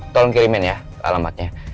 tolong kirimin ya alamatnya